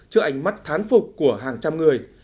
trước ảnh mắt thán phục của hàng trăm người